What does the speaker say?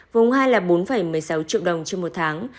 vùng hai là bốn một mươi sáu triệu đồng trên một tháng